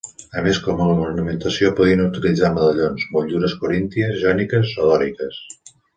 A més, com a ornamentació podien utilitzar medallons, motllures corínties, jòniques o dòriques.